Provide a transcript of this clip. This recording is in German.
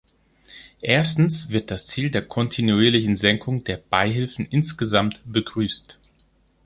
Erstens wird das Ziel der kontinuierlichen Senkung der Beihilfen insgesamt begrüßt.